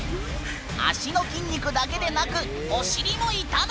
脚の筋肉だけでなくお尻も痛む！